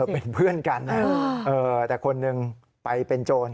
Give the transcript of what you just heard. เป็นเพื่อนกันแต่คนหนึ่งไปเป็นโจร